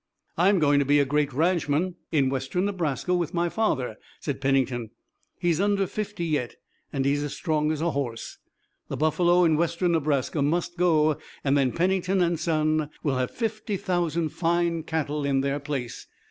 "I'm going to be a great ranchman in Western Nebraska with my father," said Pennington. "He's under fifty yet, and he's as strong as a horse. The buffalo in Western Nebraska must go and then Pennington and Son will have fifty thousand fine cattle in their place.